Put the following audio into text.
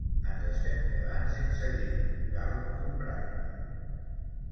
Ens estem quedant sense llet: cal comprar-ne m